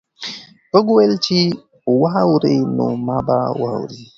غږ وویل چې که واوړې نو ما به واورې.